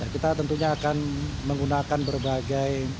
kita tentunya akan menggunakan berbagai